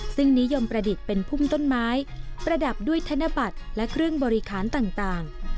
ซึ่งนิยมประดิษฐ์เป็นพุ่มต้นไม้ประดับด้วยธนบัตรและเครื่องบริหารต่าง